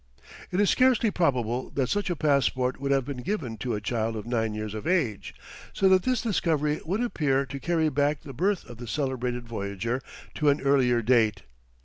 It is scarcely probable that such a passport would have been given to a child of nine years of age, so that this discovery would appear to carry back the birth of the celebrated voyager to an earlier date.